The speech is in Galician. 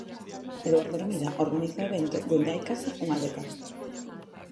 Eduardo Hermida organiza o evento dende hai case unha década.